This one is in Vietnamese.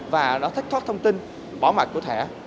và nó thách thoát thông tin bảo mật của thẻ